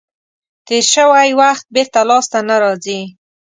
تیر شوی وخت بېرته لاس ته نه راځي.